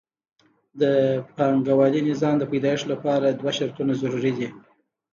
د پانګوالي نظام د پیدایښت لپاره دوه شرطونه ضروري دي